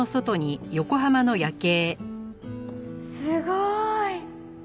すごーい！